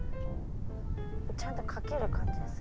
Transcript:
ちゃんとかける感じですね。